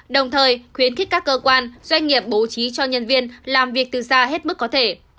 đồng thời khuyến khích các cơ quan doanh nghiệp bố trí cho nhân viên làm việc từ xa hết mức có thể